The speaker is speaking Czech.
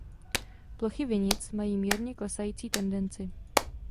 Plochy vinic mají mírně klesající tendenci.